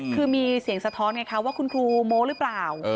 คือมีเสียงสะท้อนไงคะว่าคุณครูโม้หรือเปล่า